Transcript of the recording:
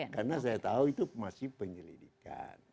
karena saya tahu itu masih penyelidikan